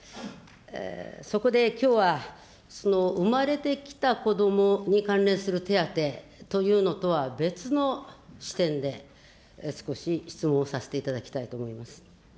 そこできょうは、その産まれてきた子どもに関連する手当というのとは別の視点で、少し質問をさせていただきたいと思います。